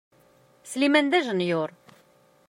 Sliman d ajenyur.